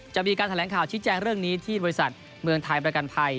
จะมีการแถลงข่าวชี้แจงเรื่องนี้ที่บริษัทเมืองไทยประกันภัย